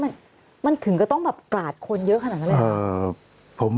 มันถึงก็ต้องแบบกราดคนเยอะขนาดนั้นเลย